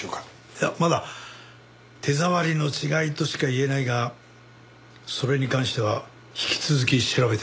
いやまだ手触りの違いとしか言えないがそれに関しては引き続き調べてみる。